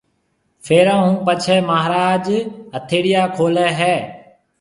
ڦيرون ھون پڇيَ مھاراج ھٿيڙيا کوليَ ھيََََ